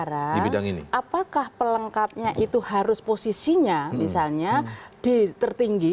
sekarang apakah pelengkapnya itu harus posisinya misalnya di tertinggi